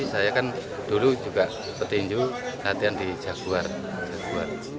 saya kan dulu juga petinju latihan di jaguar